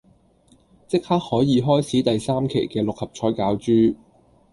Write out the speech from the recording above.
即刻可以開始第三期嘅六合彩攪珠